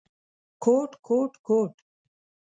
_کوټ، کوټ ، کوټ…